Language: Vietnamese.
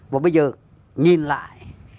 và bây giờ nhìn lại